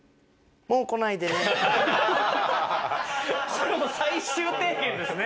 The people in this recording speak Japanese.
それもう最終提言ですね。